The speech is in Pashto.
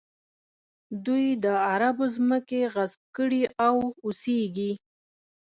دوی د عربو ځمکې غصب کړي او اوسېږي.